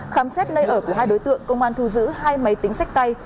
khám xét nơi ở của hai đối tượng công an thu giữ hai máy tính sách tay